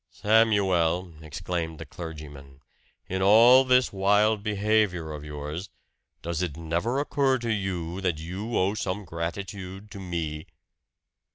"Samuel," exclaimed the clergyman, "in all this wild behavior of yours, does it never occur to you that you owe some gratitude to me?"